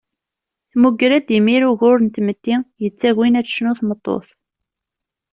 Tmugger-d imir ugur n tmetti, yettagin ad tecnu tmeṭṭut.